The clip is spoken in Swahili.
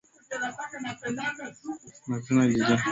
wanakutana jijini bujumbura nchini burundi ili kuanda mikakati